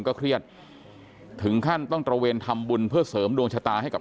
ก็เครียดถึงขั้นต้องตระเวนทำบุญเพื่อเสริมดวงชะตาให้กับ